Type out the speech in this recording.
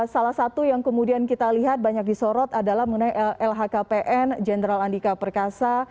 salah satu yang kemudian kita lihat banyak disorot adalah mengenai lhkpn jenderal andika perkasa